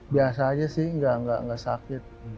biasa saja sih tidak sakit